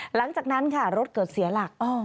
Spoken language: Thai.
หลังจากนั้นค่ะรถเกิดเสียหลัก